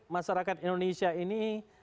masyarakat indonesia ini